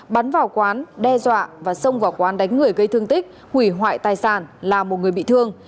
bắn vào quán đe dọa và xông vào quán đánh người gây thương tích hủy hoại tài sản là một người bị thương